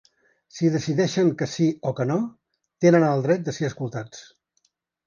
Si decideixen que sí o que no, tenen el dret de ser escoltats.